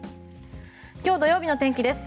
今日、土曜日の天気です。